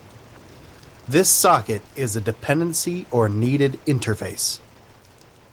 This socket is a dependency or needed interface.